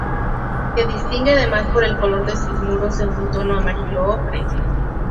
Se distingue además por el color de sus muros en un tono amarillo-ocre.